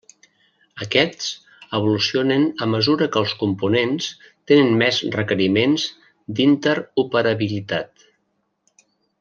Aquests evolucionen a mesura que els components tenen més requeriments d'interoperabilitat.